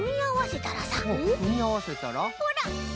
ほら！